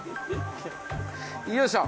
よいしょ。